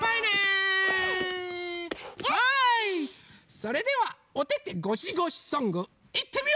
それではおててごしごしソングいってみよ！